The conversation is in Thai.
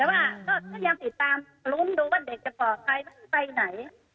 แต่ว่าก็ยังติดตามลุ้มดูว่าเด็กจะป่อดใครมันไปไหน